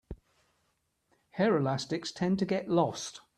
Hair elastics tend to get lost.